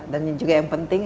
dan juga yang penting